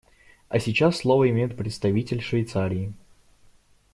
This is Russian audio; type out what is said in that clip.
А сейчас слово имеет представитель Швейцарии.